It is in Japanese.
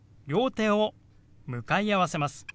両手を向かい合わせます。